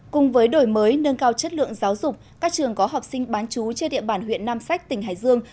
cùng với đổi mới nâng cao chất lượng giáo dục các trường có học sinh bán chú trên địa bàn huyện nam sách tỉnh hải dương